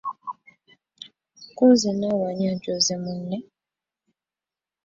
Ku nze naawe ani ajooze munne?